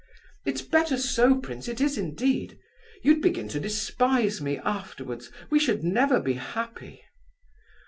It's better so, prince, it is indeed. You'd begin to despise me afterwards—we should never be happy.